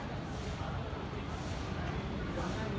อันที่สุดท้ายก็คือภาษาอันที่สุดท้าย